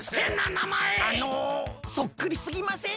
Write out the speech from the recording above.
あのそっくりすぎません？